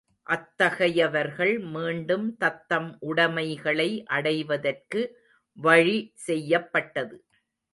அத்தகையவர்கள் மீண்டும் தத்தம் உடைமைகளை அடைவதற்கு வழி செய்யப்பட்டது.